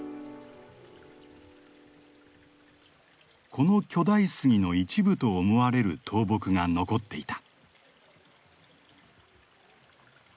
この巨大杉の一部と思われる倒木が残っていた。